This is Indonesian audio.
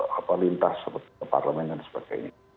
ke lintas seperti ke parlemen dan sebagainya